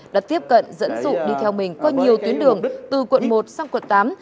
đã tiếp cận dẫn dụ đi theo mình qua nhiều tuyến đường từ quận một sang quận tám